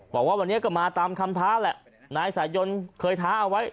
บอกว่าวันนี้ก็มาตามคำท้าแหละนายสายยนเคยท้าเอาไว้